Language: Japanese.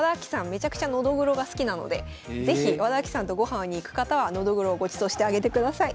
めちゃくちゃノドグロが好きなので是非和田あきさんと御飯に行く方はノドグロをごちそうしてあげてください。